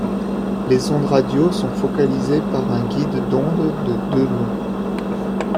Les ondes radio sont focalisées par un guide d'ondes de de long.